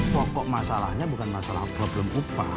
pokok masalahnya bukan masalah problem upah